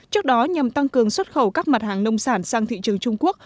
trước đó nhằm tăng cường xuất khẩu các mặt hàng nông sản sang thị trường trung quốc